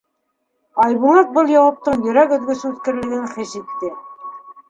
Айбулат был яуаптың йөрәк өҙгөс үткерлеген хис итте.